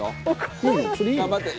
「頑張って！